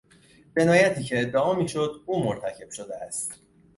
جنایاتی که ادعا میشد او مرتکب شده است